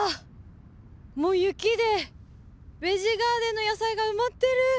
もう雪でベジ・ガーデンの野菜が埋まってる！